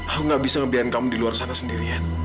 aku gak bisa ngebian kamu di luar sana sendirian